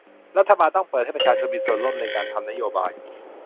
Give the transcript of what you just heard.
รัฐบาลต้องเปิดให้ประชาชนมีส่วนร่วมในการทำนโยบาย